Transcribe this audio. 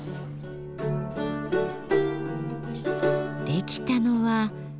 できたのは。